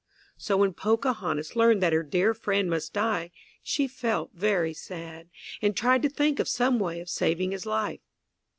So when Pocahontas learned that her dear friend must die, she felt very sad, and tried to think of some way of saving his life.